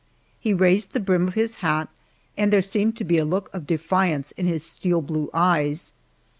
He raised the brim of his hat, and there seemed to be a look of defiance in his steel blue eyes.